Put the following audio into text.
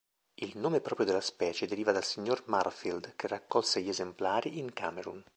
Il nome proprio della specie deriva dal sig."Marfield" che raccolse gli esemplari in Camerun.